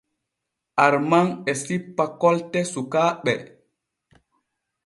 Arman e sippa kolte sukaaɓe.